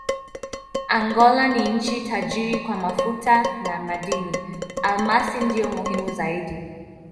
Angola ni nchi tajiri kwa mafuta na madini: almasi ndiyo muhimu zaidi.